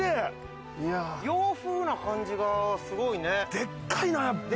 洋風な感じがすごいね！